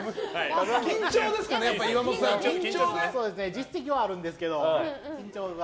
実績はあるんですけど緊張が。